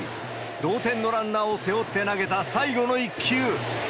同点のランナーを背負って投げた最後の１球。